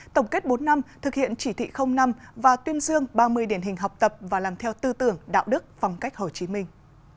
tổng kết bốn năm thực hiện chỉ thị năm và tuyên dương ba mươi điển hình học tập và làm theo tư tưởng đạo đức phong cách hồ chí minh